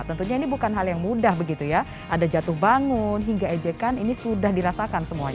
tentunya ini bukan hal yang mudah begitu ya ada jatuh bangun hingga ejekan ini sudah dirasakan semuanya